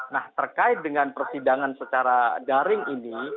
nah terkait dengan persidangan secara daring ini